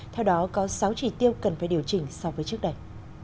theo đó có sáu chỉ tiêu cần phải điều chỉnh so với trước đây